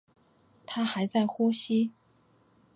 她还在呼吸